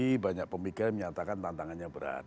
jadi banyak pemikiran menyatakan tantangannya berat